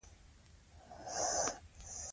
رښتیا ویل د هر لیکوال دنده ده.